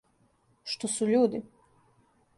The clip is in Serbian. Што су људи!